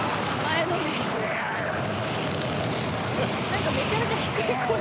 何かめちゃめちゃ低い声。